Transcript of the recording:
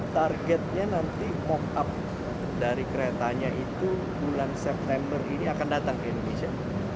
targetnya nanti mock up dari keretanya itu bulan september ini akan datang ke indonesia